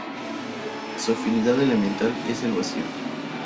Su afinidad elemental es el vacío.